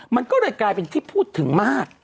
มันก็เลยกลายเป็นที่พูดถึงมาก